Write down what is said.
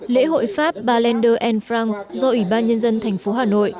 lễ hội pháp ballender frank do ủy ban nhân dân thành phố hà nội